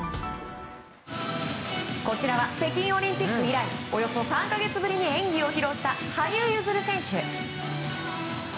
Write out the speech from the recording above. こちらは北京オリンピック以来およそ３か月ぶりに演技を披露した羽生結弦選手。